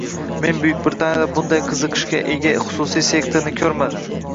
Men Buyuk Britaniyada bunday qiziqishga ega xususiy sektorni koʻrmadim